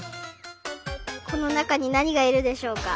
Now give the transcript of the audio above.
このなかになにがいるでしょうか？